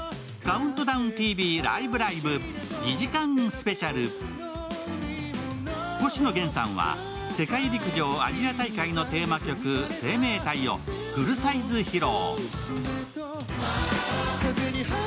ＳＮＳには星野源さんは世界陸上・アジア大会のテーマ曲「生命体」をフルサイズ披露。